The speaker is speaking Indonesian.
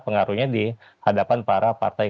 pengaruhnya di hadapan para partai